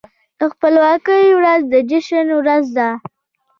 د خپلواکۍ ورځ د جشن ورځ ده.